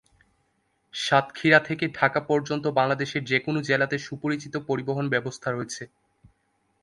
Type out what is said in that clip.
সাতক্ষীরা থেকে ঢাকা পর্যন্ত বাংলাদেশের যে কোনও জেলাতে সুপরিচিত পরিবহন ব্যবস্থা রয়েছে।